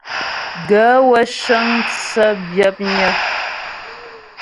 Gaə̂ wə́ cə́ŋ tsə́ byə̌pnƴə́ hə́ ?